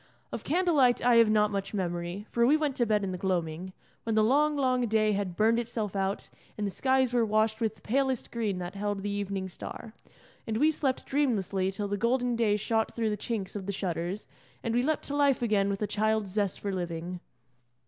Of candle light I have not much memory, for we went to bed in the gloaming, when the long, long day had burned itself out and the skies were washed with palest green that held the evening star; and we slept dreamlessly till the golden day shot through the chinks of the shutters, and we leapt to life again with a child's zest for living.